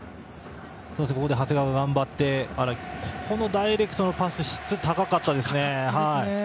長谷川が頑張ってそこからダイレクトのパスの質が高かったですね。